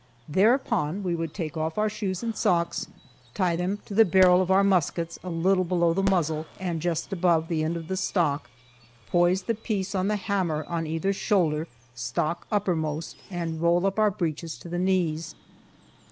Thereupon we would take off our shoes and socks, tie them to the barrel of our muskets a little below the muzzle and just above the end of the stock, poise the piece on the hammer on either shoulder, stock uppermost, and roll up our breeches to the knees.